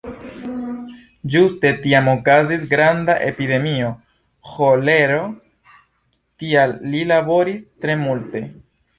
Ĝuste tiam okazis granda epidemio ĥolero, tial li laboris tre multe.